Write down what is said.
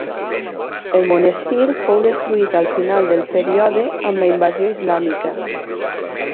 El monestir fou destruït al final del període amb la invasió islàmica.